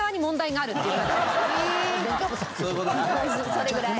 それぐらい。